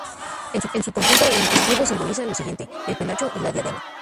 En su conjunto el escudo simboliza lo siguiente: el penacho y la diadema.